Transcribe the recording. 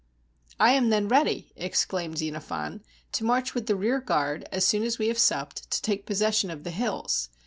" I am then ready," exclaimed Xenophon, ''to march with the rear guard, as soon as we have supped, to take possession of the hills.